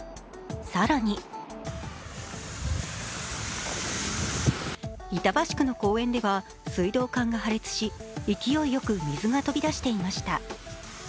更に板橋区の公園では、水道管が破裂し、勢いよく水が飛び出していました。